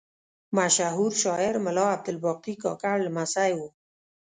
مشهور شاعر ملا عبدالباقي کاکړ لمسی و.